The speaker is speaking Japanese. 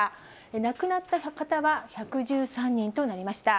亡くなった方は１１３人となりました。